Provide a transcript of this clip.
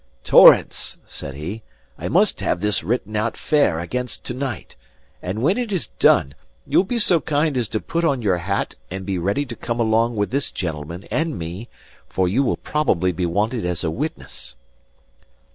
"Torrance," said he, "I must have this written out fair against to night; and when it is done, you will be so kind as put on your hat and be ready to come along with this gentleman and me, for you will probably be wanted as a witness."